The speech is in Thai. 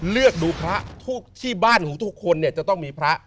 เลือกดูพระทุกที่บ้านของทุกคนเนี่ยจะต้องมีพระ